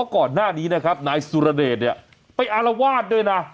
ก่อนหน้านี้น้ายสุรเนตไปอาราวาทด้วยนะ